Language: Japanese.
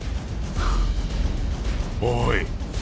おい！